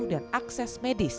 dan akses medis